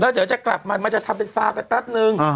แล้วเดี๋ยวจะกลับมามันจะทำเป็นฟ้ากันแปลกนึง